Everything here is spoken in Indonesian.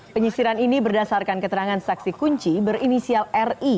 penyisiran ini berdasarkan keterangan saksi kunci berinisial ri